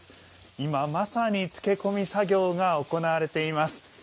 今まさに漬け込み作業が行われています。